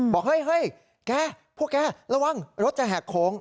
บอกเฮ้ยแกพวกแกระวังรถจะแหกโค้ง